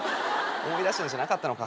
思い出したんじゃなかったのか。